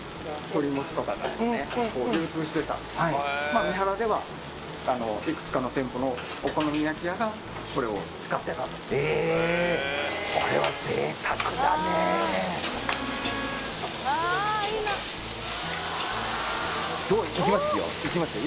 まあ三原ではいくつかの店舗のお好み焼き屋がこれを使ってたええいきますよいきますよ